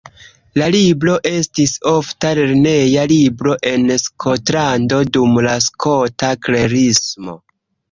La libro estis ofta lerneja libro en Skotlando dum la Skota Klerismo.